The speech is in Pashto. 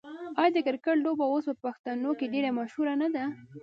آیا د کرکټ لوبه اوس په پښتنو کې ډیره مشهوره نه ده؟